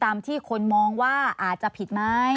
ตามที่คนมองว่าอาจจะผิดไหม